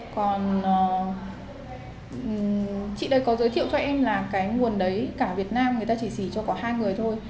còn chị đây có giới thiệu cho em là cái nguồn đấy cả việt nam người ta chỉ xỉ cho có hai người thôi